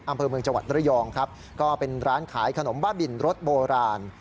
อำเภอเมืองจังหวัดระยองครับก็เป็นร้านขายขนมบ้าบินรสโบราณ